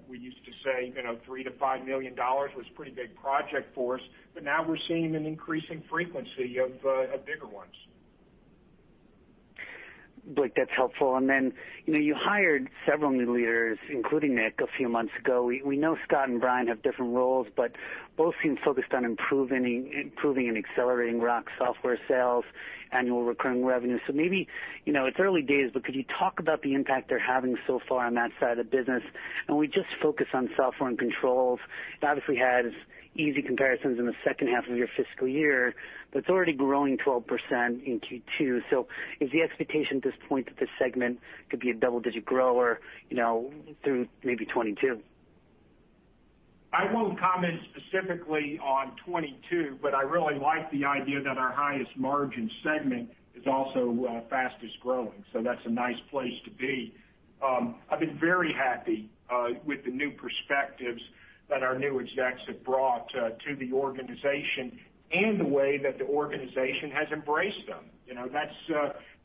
We used to say $3 million-$5 million was a pretty big project for us, but now we're seeing an increasing frequency of bigger ones. Blake, that's helpful. You hired several new leaders, including Nick, a few months ago. We know Scott and Brian have different roles, but both seem focused on improving and accelerating Rock software sales, annual recurring revenue. It's early days, but could you talk about the impact they're having so far on that side of the business? We just focus on software and controls. It obviously has easy comparisons in the second half of your fiscal year, but it's already growing 12% in Q2. Is the expectation at this point that this segment could be a double-digit grower through maybe 2022? I won't comment specifically on 2022. I really like the idea that our highest margin segment is also fastest growing. That's a nice place to be. I've been very happy with the new perspectives that our new execs have brought to the organization and the way that the organization has embraced them.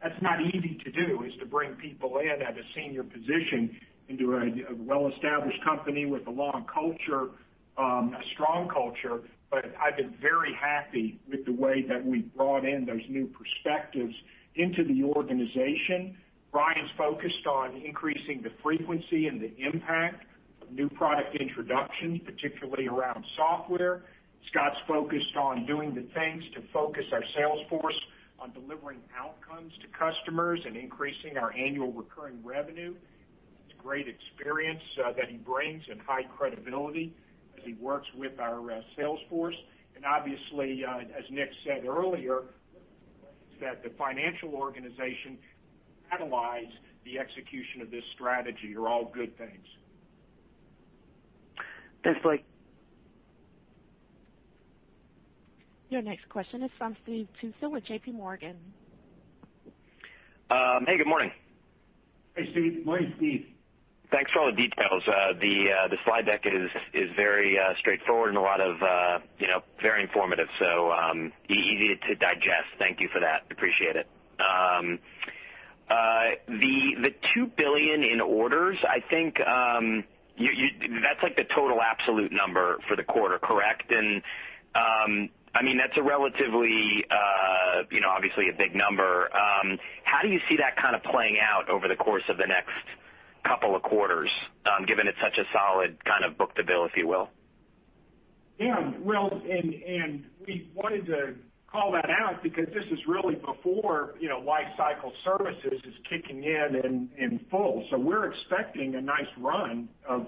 That's not easy to do, is to bring people in at a senior position into a well-established company with a long culture, a strong culture. I've been very happy with the way that we brought in those new perspectives into the organization. Brian's focused on increasing the frequency and the impact of new product introductions, particularly around software. Scott's focused on doing the things to focus our sales force on delivering outcomes to customers and increasing our annual recurring revenue. It's great experience that he brings and high credibility as he works with our sales force. Obviously, as Nick said earlier, that the financial organization catalyze the execution of this strategy are all good things. Thanks, Blake. Your next question is from Steve Tusa with JPMorgan. Hey, good morning. Hey, Steve. Morning, Steve. Thanks for all the details. The slide deck is very straightforward and very informative, so easy to digest. Thank you for that. Appreciate it. The $2 billion in orders, I think, that's like the total absolute number for the quarter, correct? That's a relatively, obviously, a big number. How do you see that kind of playing out over the course of the next couple of quarters, given it's such a solid kind of book-to-bill, if you will? Yeah. We wanted to call that out because this is really before life cycle services is kicking in in full. We're expecting a nice run of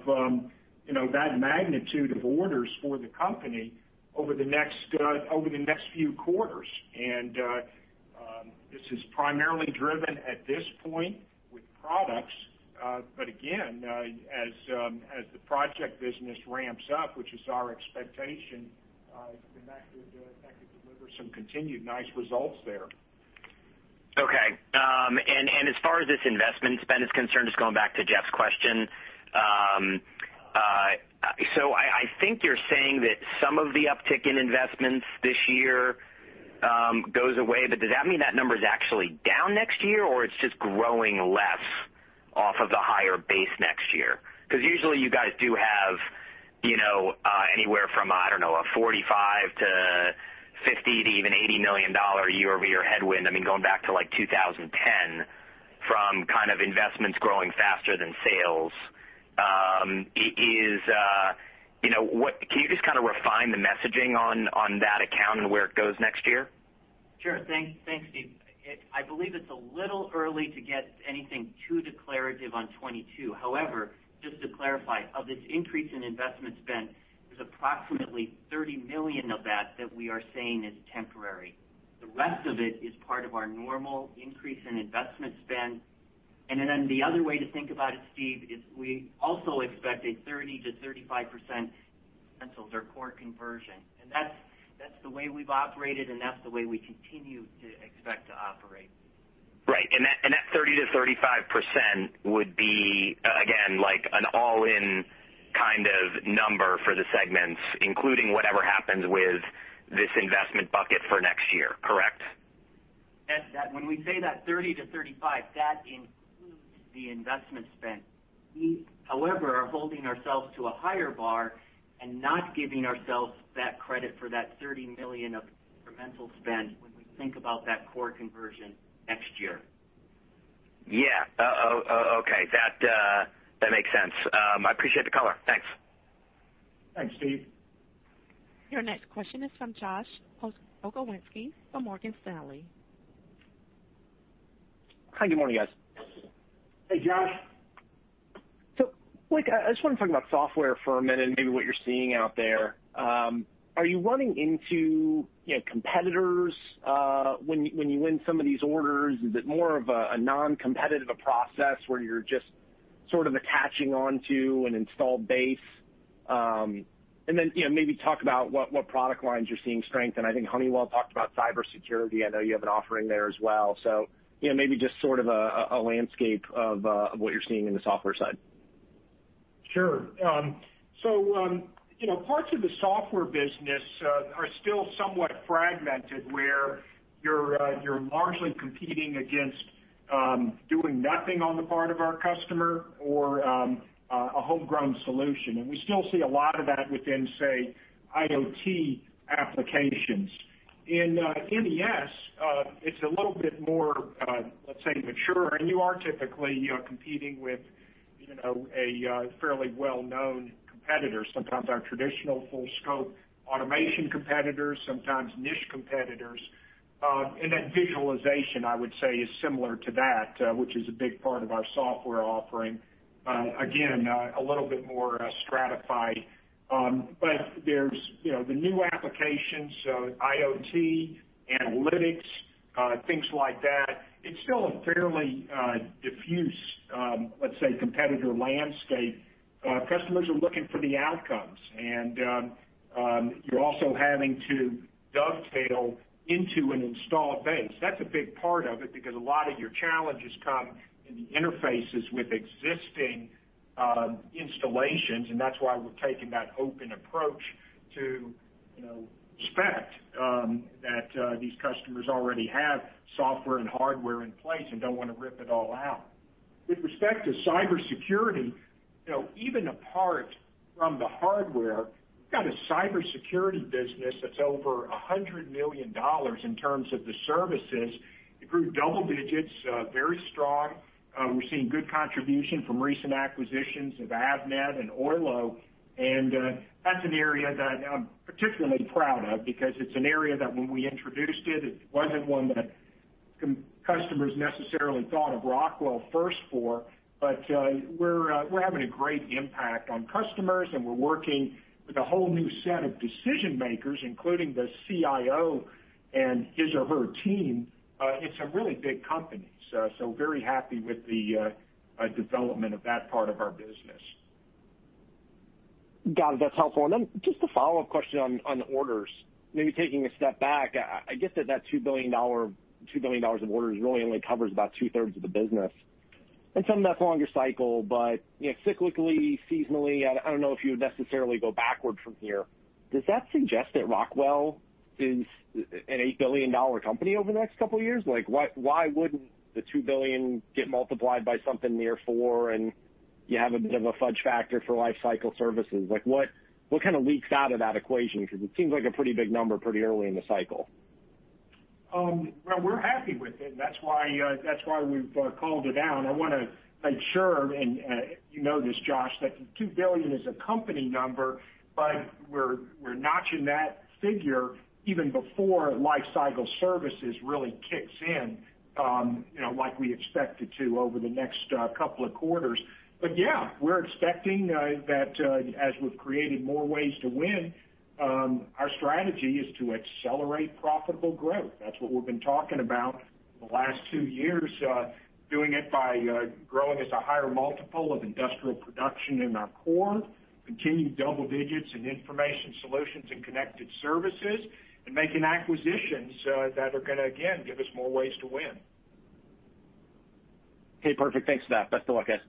that magnitude of orders for the company over the next few quarters. This is primarily driven at this point with products. Again, as the project business ramps up, which is our expectation, then that could deliver some continued nice results there. Okay. As far as this investment spend is concerned, just going back to Jeff's question. I think you're saying that some of the uptick in investments this year goes away. Does that mean that number's actually down next year, or it's just growing less off of the higher base next year? Usually you guys do have anywhere from, I don't know, a $45 million-$50 million to even $80 million year-over-year headwind, I mean, going back to like 2010 from kind of investments growing faster than sales. Can you just kind of refine the messaging on that account and where it goes next year? Sure. Thanks, Steve. I believe it's a little early to get anything too declarative on 2022. Just to clarify, of this increase in investment spend, there's approximately $30 million of that that we are saying is temporary. The rest of it is part of our normal increase in investment spend. The other way to think about it, Steve, is we also expect a 30%-35% incremental core conversion. That's the way we've operated, and that's the way we continue to expect to operate. Right. That 30%-35% would be, again, like an all-in kind of number for the segments, including whatever happens with this investment bucket for next year, correct? Yes. When we say that $30 million-$35 million, that includes the investment spend. We, however, are holding ourselves to a higher bar and not giving ourselves that credit for that $30 million of incremental spend when we think about that core conversion next year. Yeah. Okay. That makes sense. I appreciate the color. Thanks. Thanks, Steve. Your next question is from Josh Pokrzywinski from Morgan Stanley. Hi, good morning, guys. Hey, Josh. Blake, I just want to talk about software for a minute and maybe what you're seeing out there. Are you running into competitors when you win some of these orders? Is it more of a non-competitive process where you're just sort of attaching onto an installed base? Then, maybe talk about what product lines you're seeing strength. I think Honeywell talked about cybersecurity. I know you have an offering there as well. Maybe just sort of a landscape of what you're seeing in the software side. Sure. Parts of the software business are still somewhat fragmented, where you're largely competing against doing nothing on the part of our customer or a homegrown solution. We still see a lot of that within, say, IoT applications. In MES, it's a little bit more, let's say, mature, and you are typically competing with a fairly well-known competitor, sometimes our traditional full-scope automation competitors, sometimes niche competitors. Then visualization, I would say is similar to that, which is a big part of our software offering. Again, a little bit more stratified. There's the new applications, so IoT, analytics, things like that. It's still a fairly diffuse, let's say, competitor landscape. Customers are looking for the outcomes, and you're also having to dovetail into an installed base. That's a big part of it, because a lot of your challenges come in the interfaces with existing installations, and that's why we're taking that open approach to respect that these customers already have software and hardware in place and don't want to rip it all out. With respect to cybersecurity, even apart from the hardware, we've got a cybersecurity business that's over $100 million in terms of the services. It grew double digits, very strong. We're seeing good contribution from recent acquisitions of Avnet and Oylo, and that's an area that I'm particularly proud of because it's an area that when we introduced it wasn't one that customers necessarily thought of Rockwell first for. We're having a great impact on customers, and we're working with a whole new set of decision-makers, including the CIO and his or her team in some really big companies. Very happy with the development of that part of our business. Got it. That's helpful. Just a follow-up question on the orders. Maybe taking a step back, I get that that $2 billion of orders really only covers about two-thirds of the business, and some of that's longer cycle, but cyclically, seasonally, I don't know if you would necessarily go backward from here. Does that suggest that Rockwell is an $8 billion company over the next couple of years? Why wouldn't the $2 billion get multiplied by something near four, and you have a bit of a fudge factor for lifecycle services? What kind of leaks out of that equation? Because it seems like a pretty big number pretty early in the cycle. We're happy with it, and that's why we've called it out. I want to ensure, and you know this, Josh, that the $2 billion is a company number, but we're notching that figure even before lifecycle services really kicks in like we expect it to over the next couple of quarters. Yeah, we're expecting that as we've created more ways to win, our strategy is to accelerate profitable growth. That's what we've been talking about the last two years, doing it by growing as a higher multiple of industrial production in our core, continued double digits in information solutions and connected services, and making acquisitions that are going to, again, give us more ways to win. Okay, perfect. Thanks for that. Best of luck, guys.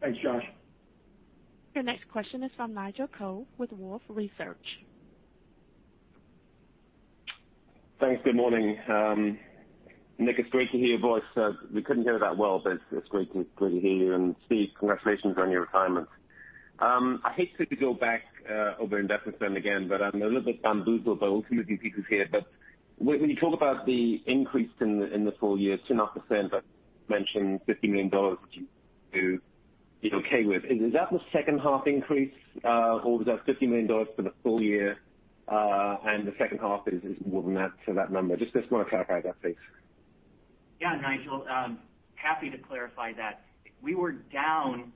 Thanks, Josh. Your next question is from Nigel Coe with Wolfe Research. Thanks. Good morning. Nick, it's great to hear your voice. We couldn't hear that well, but it's great to hear you and Steve, congratulations on your retirement. I hate to go back over investment spend again, but I'm a little bit bamboozled by all three of you people here. When you talk about the increase in the full year, sooner percent, but you mentioned $50 million, which you two is okay with, is that the second half increase, or was that $50 million for the full year, and the second half is more than that to that number? I just want to clarify that, please. Yeah, Nigel. Happy to clarify that. We were down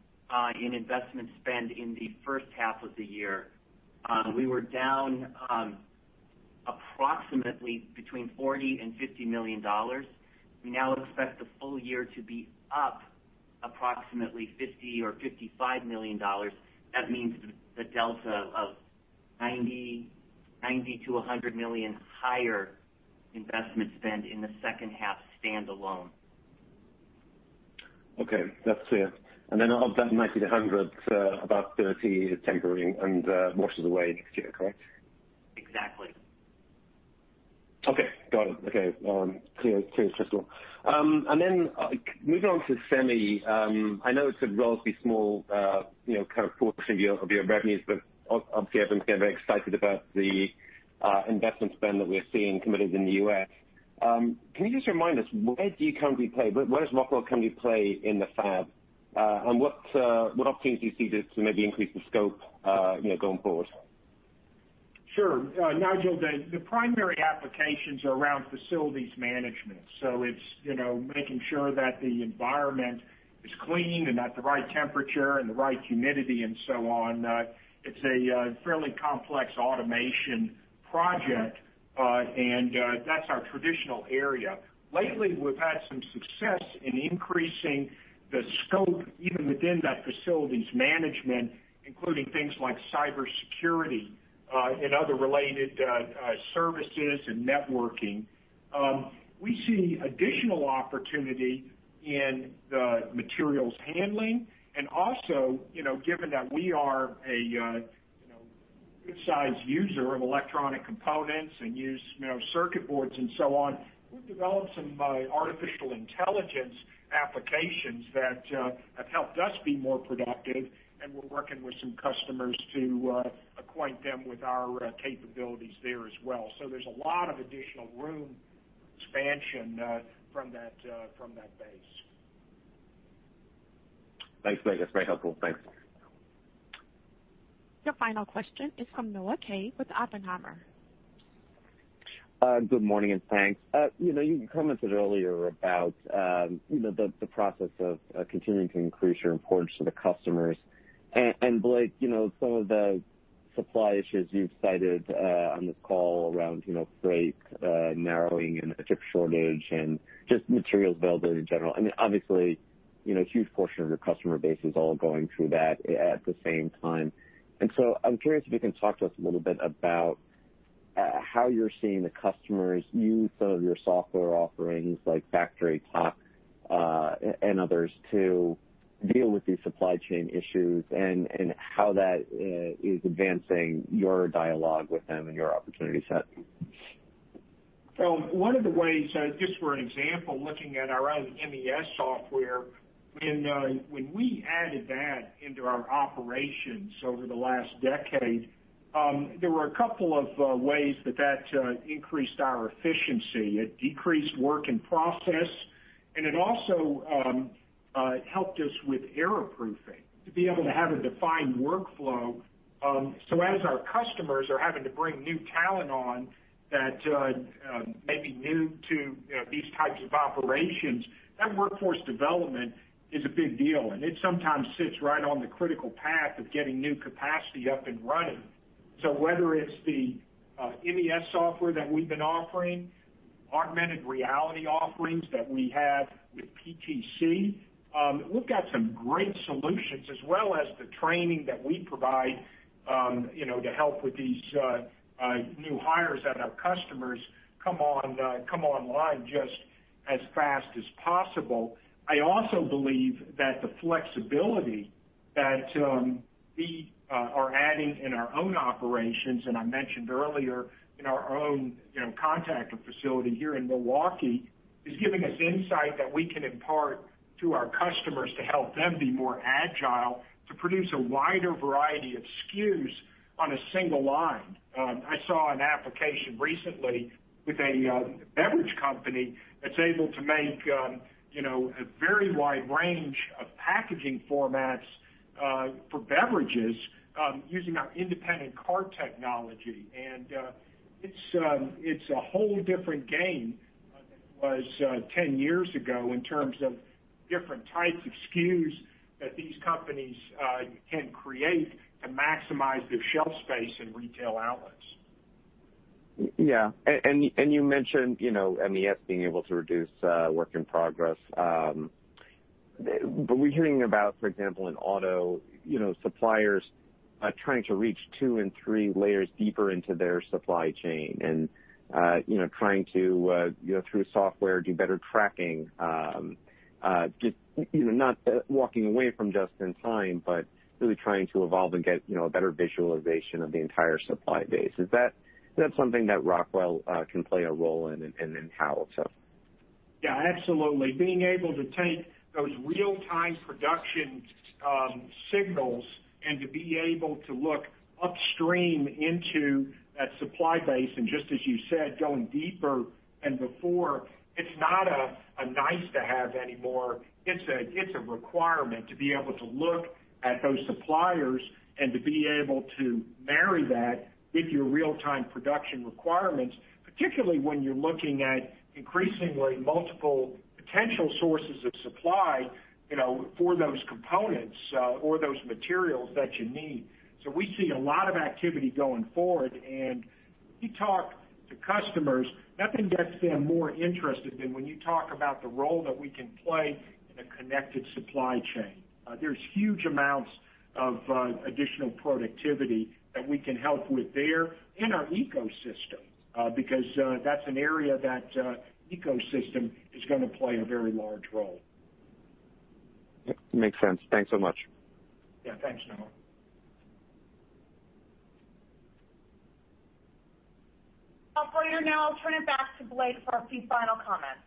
in investment spend in the first half of the year. We were down approximately between $40 million and $50 million. We now expect the full year to be up approximately $50 million or $55 million. That means the delta of $90 million-$100 million higher investment spend in the second half standalone. Okay. That's clear. Then of that $90 million-$100 million, about $30 million is temporary and washes away next year, correct? Exactly. Okay. Got it. Okay. Clear and crystal. Then moving on to semi, I know it's a relatively small kind of portion of your revenues, but obviously everyone's getting very excited about the investment spend that we're seeing committed in the U.S. Can you just remind us, where does Rockwell currently play in the fab, and what opportunities do you see to maybe increase the scope going forward? Sure. Nigel, the primary applications are around facilities management. It's making sure that the environment is clean and at the right temperature and the right humidity and so on. It's a fairly complex automation project, and that's our traditional area. Lately, we've had some success in increasing the scope even within that facilities management, including things like cybersecurity and other related services and networking. We see additional opportunity in the materials handling, and also, given that we are a good-sized user of electronic components and use circuit boards and so on, we've developed some artificial intelligence applications that have helped us be more productive, and we're working with some customers to acquaint them with our capabilities there as well. There's a lot of additional room expansion from that base. Thanks, Blake. That's very helpful. Thanks. Your final question is from Noah Kaye with Oppenheimer. Good morning, and thanks. You commented earlier about the process of continuing to increase your importance to the customers. Blake, some of the supply issues you've cited on this call around freight narrowing and a chip shortage and just materials availability in general, and obviously, a huge portion of your customer base is all going through that at the same time. I'm curious if you can talk to us a little bit about how you're seeing the customers use some of your software offerings, like FactoryTalk and others, to deal with these supply chain issues, and how that is advancing your dialogue with them and your opportunity set? One of the ways, just for an example, looking at our own MES software, when we added that into our operations over the last decade, there were a couple of ways that that increased our efficiency. It decreased work in process, and it also helped us with error-proofing to be able to have a defined workflow. As our customers are having to bring new talent on that may be new to these types of operations, that workforce development is a big deal, and it sometimes sits right on the critical path of getting new capacity up and running. Whether it's the MES software that we've been offering, augmented reality offerings that we have with PTC, we've got some great solutions, as well as the training that we provide to help with these new hires that our customers come online just as fast as possible. I also believe that the flexibility that we are adding in our own operations, and I mentioned earlier in our own contactor facility here in Milwaukee, is giving us insight that we can impart to our customers to help them be more agile to produce a wider variety of SKUs on a single line. I saw an application recently with a beverage company that's able to make a very wide range of packaging formats for beverages using our Independent Cart Technology. It's a whole different game than it was 10 years ago in terms of different types of SKUs that these companies can create to maximize their shelf space in retail outlets. Yeah. You mentioned MES being able to reduce work in progress. We're hearing about, for example, in auto suppliers trying to reach two and three layers deeper into their supply chain and trying to, through software, do better tracking, not walking away from just in time, but really trying to evolve and get a better visualization of the entire supply base. Is that something that Rockwell can play a role in, and how so? Yeah, absolutely. Being able to take those real-time production signals and to be able to look upstream into that supply base, and just as you said, going deeper than before, it's not a nice-to-have anymore. It's a requirement to be able to look at those suppliers and to be able to marry that with your real-time production requirements, particularly when you're looking at increasingly multiple potential sources of supply for those components or those materials that you need. We see a lot of activity going forward, and we talk to customers. Nothing gets them more interested than when you talk about the role that we can play in a connected supply chain. There's huge amounts of additional productivity that we can help with there in our ecosystem, because that's an area that ecosystem is going to play a very large role. Makes sense. Thanks so much. Yeah. Thanks, Noah. Operator, now I'll turn it back to Blake for a few final comments.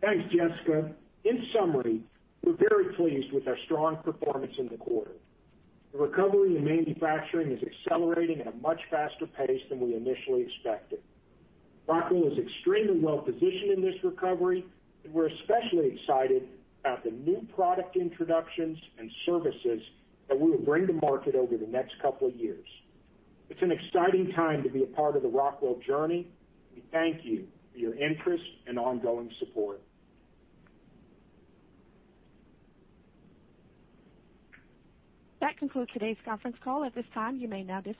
Thanks, Jessica. In summary, we're very pleased with our strong performance in the quarter. The recovery in manufacturing is accelerating at a much faster pace than we initially expected. Rockwell is extremely well-positioned in this recovery, and we're especially excited about the new product introductions and services that we will bring to market over the next couple of years. It's an exciting time to be a part of the Rockwell journey. We thank you for your interest and ongoing support. That concludes today's conference call. At this time, you may now disconnect.